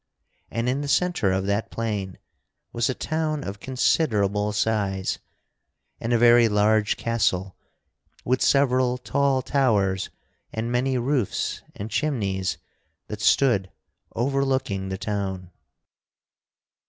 And in the centre of that plain was a town of considerable size, and a very large castle with several tall towers and many roofs and chimneys that stood overlooking the town.